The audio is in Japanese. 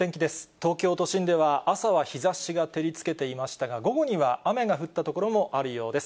東京都心は朝は日ざしが照りつけていましたが、午後には雨が降った所もあるようです。